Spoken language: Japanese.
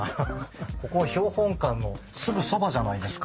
ここは標本館のすぐそばじゃないですか。